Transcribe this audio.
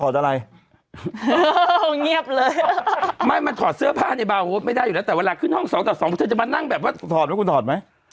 ใช่ไหมอยู่ที่คับเฮาส์มันเกิด